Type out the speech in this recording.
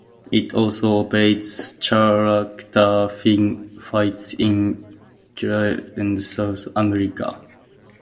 It also operates charter flights in Chile and South America.